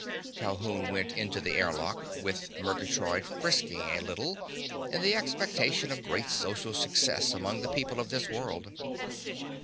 Calhoun went into the airlock, with Murgatroyd frisking a little in the expectation of great social success among the people of this world.